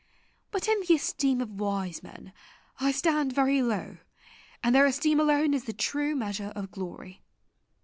But in the esteem of wise men I stand very low, and their esteem alone is the true measure of glory.